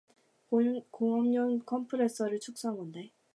공업용 컴프레서를 축소한 건데